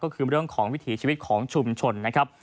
ก็คือเรื่องของวิถีชีวิตของชุมชนนะครับ